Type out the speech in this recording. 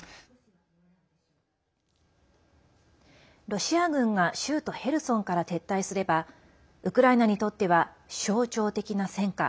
ロシア軍が州都ヘルソンから撤退すればウクライナにとっては象徴的な戦果